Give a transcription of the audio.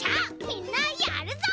みんなやるぞ！